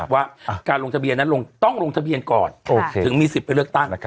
ว่าการลงทะเบียนนั้นต้องลงทะเบียนก่อนถึงมีสิทธิ์ไปเลือกตั้ง